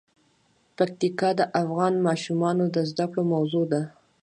پکتیکا د افغان ماشومانو د زده کړې موضوع ده.